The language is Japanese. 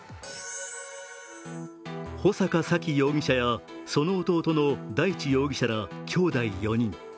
穂坂沙喜容疑者やその弟の大地容疑者らきょうだい４人。